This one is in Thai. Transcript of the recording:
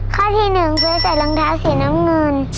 ข้อที่๑เคยใส่รองเท้าสีน้ำเงิน